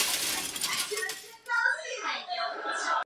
夜间是站员无配置。